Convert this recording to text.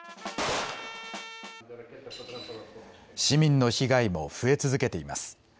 市民の被害も増え続けています。